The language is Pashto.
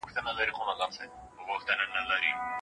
خورما په پوره پاکۍ سره سپي ته وړاندې شوې وه.